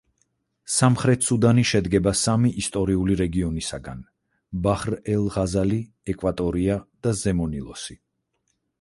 სამხრეთი სუდანი შედგება სამი ისტორიული რეგიონისაგან: ბაჰრ-ელ-ღაზალი, ეკვატორია და ზემო ნილოსი.